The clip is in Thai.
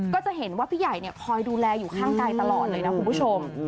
ก็จะเห็นว่าพี่ใหญ่คอยดูแลอยู่ข้างกายตลอดเลยนะคุณผู้ชม